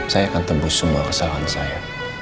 saya akan tembus semua kesalahan saya